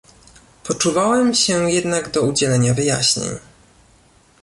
Poczuwałem się jednak do udzielenia wyjaśnień